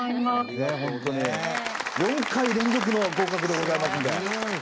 ４回連続の合格でございますんで。